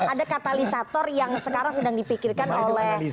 ada katalisator yang sekarang sedang dipikirkan oleh